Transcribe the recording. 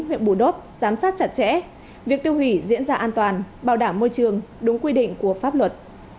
hội đồng tiêu hủy nguyễn bù đốt giám sát chặt chẽ việc tiêu hủy diễn ra an toàn bảo đảm môi trường đúng quy định của pháp luật